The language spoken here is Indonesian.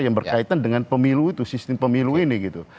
yang berkaitan dengan pemilu itu